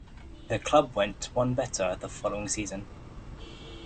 The club went one better the following season.